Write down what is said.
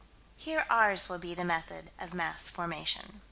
Here ours will be the method of mass formation.